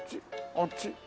あっち？